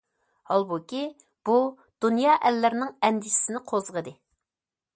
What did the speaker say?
ھالبۇكى بۇ دۇنيا ئەللىرىنىڭ ئەندىشىسىنى قوزغىدى.